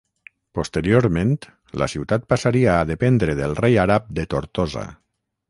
Posteriorment, la ciutat passaria a dependre del rei àrab de Tortosa.